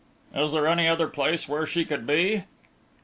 "Is there any other place where she could be?"